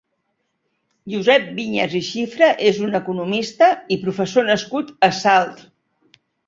Josep Viñas i Xifra és un economista i professor nascut a Salt.